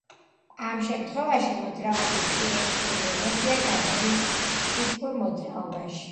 ამ შემთხვევაში მოძრაობის კინეტიკური ენერგია გადადის სითბურ მოძრაობაში.